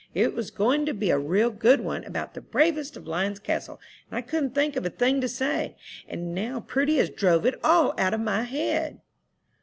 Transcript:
It was going to be a real good one, about 'The Bravest of Lion's Castle,' and I couldn't think of a thing to say, and now Prudy has drove it all out of my head."